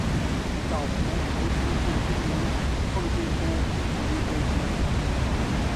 早年投资并经营奉锦天一垦务公司。